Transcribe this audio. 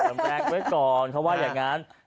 แรงไว้ก่อนเขาว่าอย่างนั้น